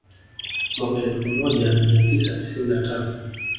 Mwaka wa elfu moja mia tisa tisini na tano